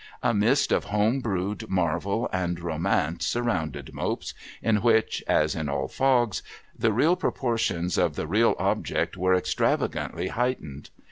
A mist of home brewed marvel and romance surrounded Mopes, in which (as in all fogs) the real proportions of the real object were extravagantly heightened.